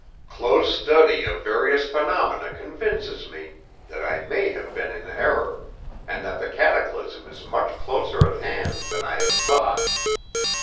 Close study of various phenomena convinces me that I may have been in error, and that the cataclysm is much closer at hand than I have thought.